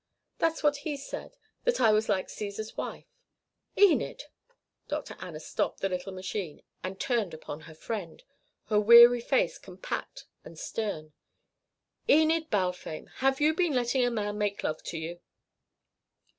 "That's what he said that I was like Cæsar's wife " "Enid!" Dr. Anna stopped the little machine and turned upon her friend, her weary face compact and stern. "Enid Balfame! Have you been letting a man make love to you?"